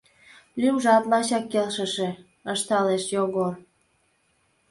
Лӱмжат лачак келшыше, — ышталеш Йогор.